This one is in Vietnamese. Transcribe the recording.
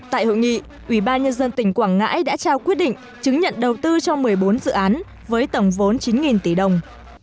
tại hội nghị ubnd tỉnh quảng ngãi đã trao quyết định chứng nhận đầu tư cho một mươi bốn dự án với tổng vốn chín tỷ đồng